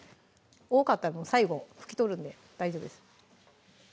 多かったら最後拭き取るんで大丈夫です